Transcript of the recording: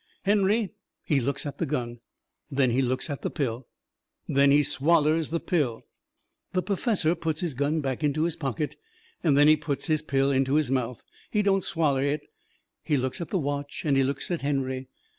Henry, he looks at the gun. Then he looks at the pill. Then he swallers the pill. The perfessor puts his gun back into his pocket, and then he puts his pill into his mouth. He don't swaller it. He looks at the watch, and he looks at Henry.